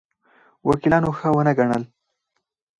وکیلانو ښه ونه ګڼل.